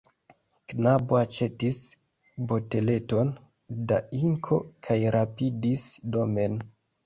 Knabo aĉetis boteleton da inko kaj rapidis domen.